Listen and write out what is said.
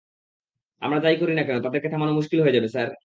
আমরা যা-ই করি না কেন, তাদেরকে থামানো মুশকিল হয়ে যাবে, স্যার।